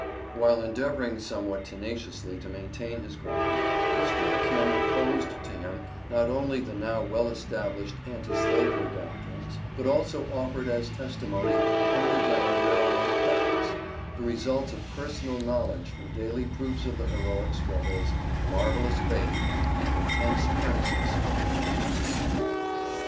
While endeavoring somewhat tenaciously to maintain his ground, Mr. McKim opposed to him not only the now well established Anti Slavery doctrines, but also offered as testimony Underground Rail Road facts the results of personal knowledge from daily proofs of the heroic struggles, marvellous faith, and intense earnestness of the fugitives.